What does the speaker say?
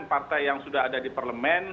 partai yang sudah ada di parlemen